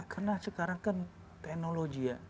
karena sekarang kan teknologi